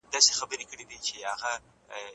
طوطي 🦜